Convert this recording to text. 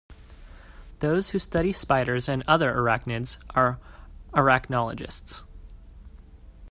Those who study spiders and other arachnids are arachnologists.